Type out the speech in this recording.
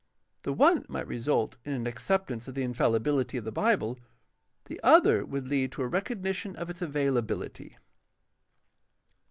The one might result in an acceptance of the infalHbiHty of the Bible, the other would Jead to a recognition of its availability.